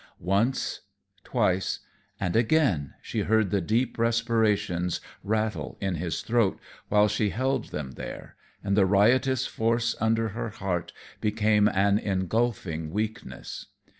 Once, twice and again she heard the deep respirations rattle in his throat while she held them there, and the riotous force under her heart became an engulfing weakness.